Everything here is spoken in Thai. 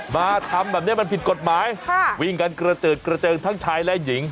มาทำแบบนี้มันผิดกฎหมายวิ่งกันกระเจิดกระเจิงทั้งชายและหญิง